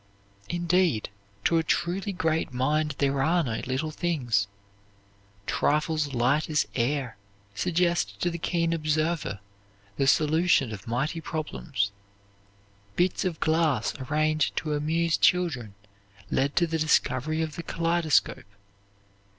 Indeed, to a truly great mind there are no little things. Trifles light as air suggest to the keen observer the solution of mighty problems. Bits of glass arranged to amuse children led to the discovery of the kaleidoscope.